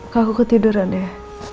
kok aku ketiduran ya